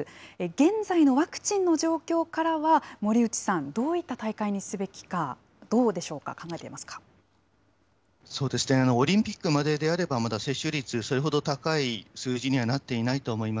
現在のワクチンの状況からは、森内さん、どういった大会にすべきか、どうでしょそうですね、オリンピックまでであれば、まだ接種率、それほど高い数字にはなっていないと思います。